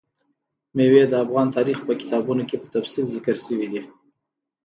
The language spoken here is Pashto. مېوې د افغان تاریخ په کتابونو کې په تفصیل ذکر شوي دي.